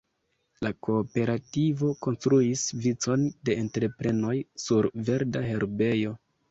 La kooperativo konstruis vicon de entreprenoj "sur verda herbejo".